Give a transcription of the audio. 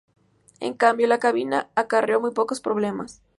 En cambio, la cabina acarreó muy pocos problemas.